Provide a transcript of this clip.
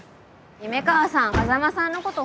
姫川さん風真さんのこと